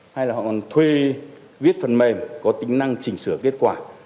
hay là họ còn thuê viết phần mềm có tính năng chỉnh sửa kết quả